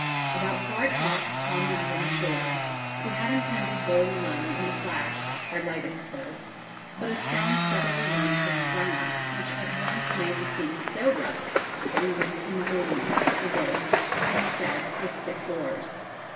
About four o'clock Tom and I went ashore. We had intended going alone in the 'Flash' (our lightest boat), but a strong southerly wind had sprung up, which at once made the sea so rough that we went in the 'Gleam' (the gig) instead, with six oars.